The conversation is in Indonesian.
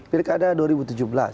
pilih keadaan dua ribu tujuh belas